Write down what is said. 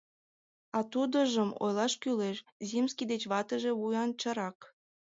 А тудыжым ойлаш кӱлеш, земский деч ватыже вуянчырак.